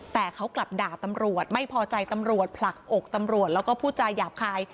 แต่เขากลับด่าตำรวจว่าไม่พอใจตำรวจผลักอกตำรวจกับผู้ใจหยาบคาย